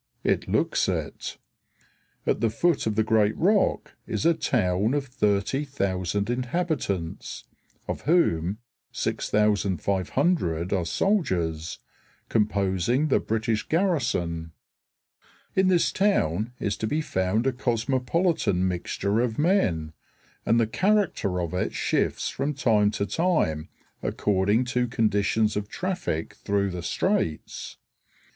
It looks it. At the foot of the great rock is a town of 30,000 inhabitants, of whom 6,500 are soldiers, composing the British garrison. In this town is to be found a cosmopolitan mixture of men, and the character of it shifts from time to time according to conditions of traffic through the straits.